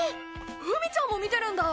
フミちゃんも見てるんだ！